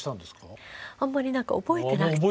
あんまり何か覚えてなくて。